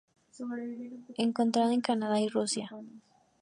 Encontrado en Canadá y Rusia.